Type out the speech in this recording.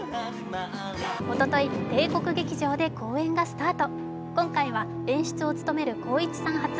おととい、帝国劇場で公演がスタート。